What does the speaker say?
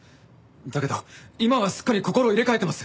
だけど今はすっかり心を入れ替えてます。